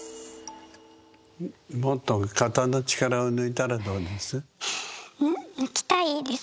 もっと肩の力を抜いたらどうです？